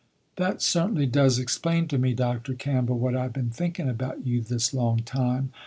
"That certainly does explain to me Dr. Campbell what I been thinking about you this long time.